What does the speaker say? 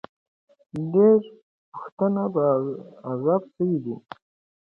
ډېر پښتانه په عذاب سوي دي.